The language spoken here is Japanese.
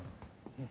うん？